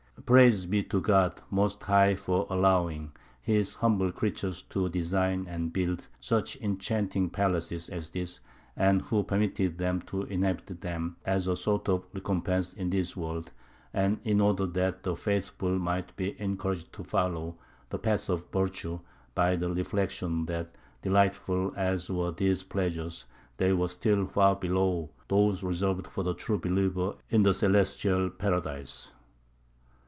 Praise be to God Most High for allowing His humble creatures to design and build such enchanting palaces as this, and who permitted them to inhabit them as a sort of recompense in this world, and in order that the faithful might be encouraged to follow the path of virtue, by the reflection that, delightful as were these pleasures, they were still far below those reserved for the true believer in the celestial Paradise!"